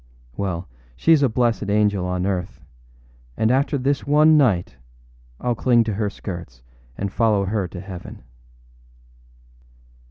Well, sheâs a blessed angel on earth; and after this one night Iâll cling to her skirts and follow her to heaven.